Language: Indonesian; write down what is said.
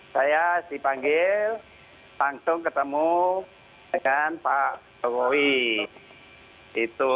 saya dipanggil langsung ketemu dengan pak jokowi itu